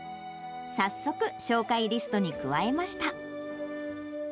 早速、紹介リストに加えました。